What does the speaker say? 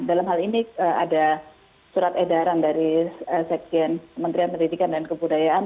dalam hal ini ada surat edaran dari sekjen kementerian pendidikan dan kebudayaan